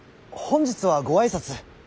本日はご挨拶。